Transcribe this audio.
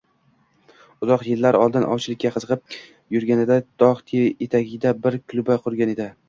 Uzoq yillar oldin ovchilikka qiziqib yurganida togʻ etagiga bir kulba qurgan edi